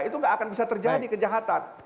itu nggak akan bisa terjadi kejahatan